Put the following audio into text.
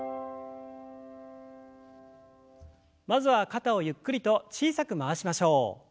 まずは肩をゆっくりと小さく回しましょう。